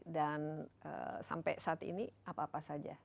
dan sampai saat ini apa apa saja